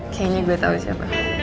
kayaknya gue tau siapa